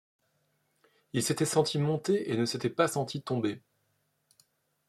Il s’était senti monter et ne s’était pas senti tomber.